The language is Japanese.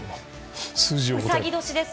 うさぎ年です。